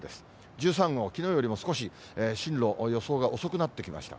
１３号、きのうより少し進路、予想が遅くなってきました。